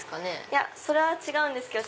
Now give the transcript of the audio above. いやそれは違うんですけど。